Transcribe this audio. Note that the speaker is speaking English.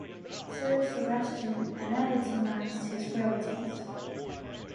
Sir Sebastian anathematised his frailties.